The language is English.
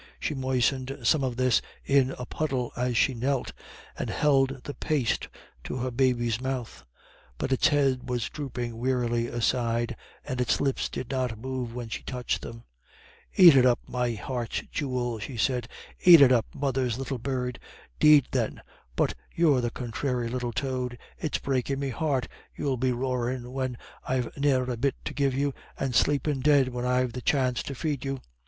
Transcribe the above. She moistened some of this in a puddle as she knelt, and held the paste to her baby's mouth. But its head was drooping wearily aside, and its lips did not move when she touched them. "Ait it up, me heart's jewel," she said; "ait it up, mother's little bird. 'Deed, then, but you're the conthráry little toad. It's breakin' me heart you'll be roarin' when I've ne'er a bit to give you, and sleepin' dead, when I've the chance to feed you."